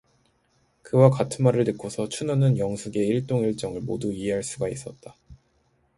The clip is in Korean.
그와 같은 말을 듣고서 춘우는 영숙의 일동일정을 모두 이해 할 수가 있었다.